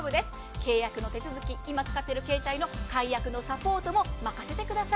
契約の手続き、今使っている契約の解約のサポートも任せてください。